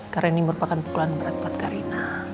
karena ini merupakan pukulan berat buat karina